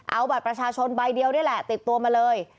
เอาบัตรประชาชนใบเดียวนี่แหละติดตัวมาเลย